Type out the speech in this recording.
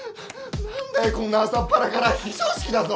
なんだよこんな朝っぱらから非常識だぞ！